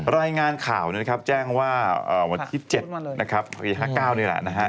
รายงานข่าวแจ้งว่าวันที่๗พศ๕๙นี่แหละ